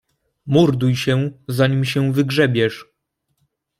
"Morduj się, zanim się wygrzebiesz!"